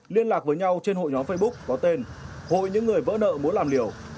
liên lạc với nhau trên hội nhóm facebook có tên hội những người vỡ nợ muốn làm liều